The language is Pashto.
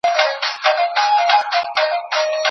د شمعي اور له بوراګانو سره ښه جوړیږي